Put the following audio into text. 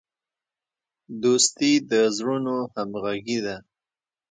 دوستي د زړونو همغږي ده.